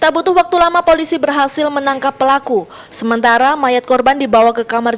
tak butuh waktu lama polisi berhasil menangkap pelaku sementara mayat korban dibawa ke kamar